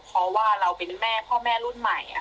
เพราะว่าเราเป็นแม่พ่อแม่รุ่นใหม่